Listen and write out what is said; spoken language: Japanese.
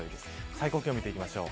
最高気温見ていきましょう。